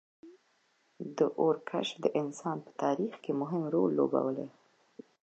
• د اور کشف د انسان په تاریخ کې مهم رول لوبولی.